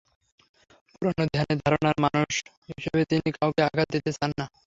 পুরোনো ধ্যান ধারণার মানুষ হিসেবে তিনি কাউকে আঘাত দিতে চান না।